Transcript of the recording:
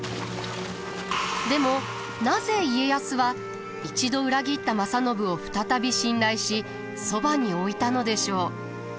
でもなぜ家康は一度裏切った正信を再び信頼しそばに置いたのでしょう？